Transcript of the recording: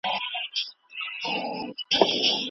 د ډاکتر مشوره ارزښت لري.